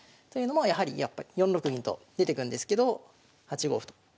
というのもやはり４六銀と出てくんですけど８五歩と。